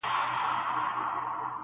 • چی لېوه او خر له کلي را گوښه سول -